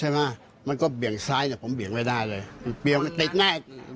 มันก็เบี่ยงซ้ายผมเบี่ยงไม่ได้มันเบี่ยงไปติดหน้า